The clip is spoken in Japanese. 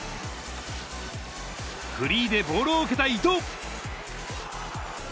フリーでボールを受けた伊東。